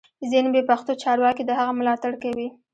ځینې بې پښتو چارواکي د هغه ملاتړ کوي